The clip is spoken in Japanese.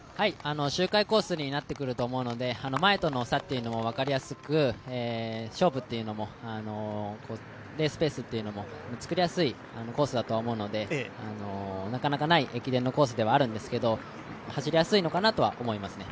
周回コースになってくると思うので、前との差も分かりやすく、勝負、レースペースも作りやすいコースだと思うのでなかなかない駅伝のコースではあるんですけど、走りやすいのかなとは思いますね。